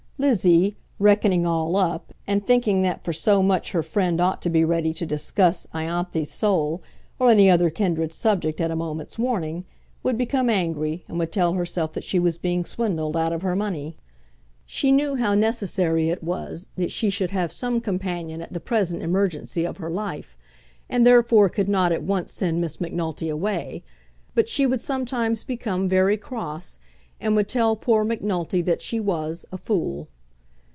Lizzie, reckoning all up, and thinking that for so much her friend ought to be ready to discuss Ianthe's soul, or any other kindred subject, at a moment's warning, would become angry, and would tell herself that she was being swindled out of her money. She knew how necessary it was that she should have some companion at the present emergency of her life, and therefore could not at once send Miss Macnulty away; but she would sometimes become very cross, and would tell poor Macnulty that she was a fool.